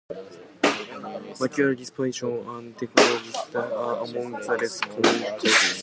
Macular dystrophies and telangiectasia are among the less common causes.